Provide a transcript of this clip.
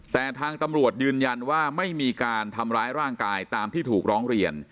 แต่ทางตำรวจยืนยันว่าไม่มีการทำร้ายร่างกายตามที่ถูกร้องเรียน